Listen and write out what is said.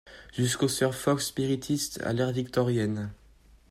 Jusqu’aux sœurs Fox spiritistes à l’ère victorienne.